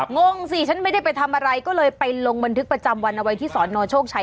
งงสิฉันไม่ได้ไปทำอะไรก็เลยไปลงบันทึกประจำวันเอาไว้ที่สอนอโชคชัย